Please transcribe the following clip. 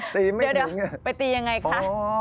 เดี๋ยวไปตีอย่างไรคะ